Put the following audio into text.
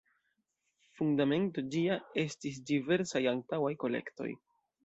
Fundamento ĝia estis diversaj antaŭaj kolektoj.